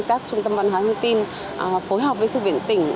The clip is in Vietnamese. các trung tâm văn hóa thông tin phối hợp với thư viện tỉnh